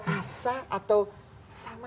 asa atau sama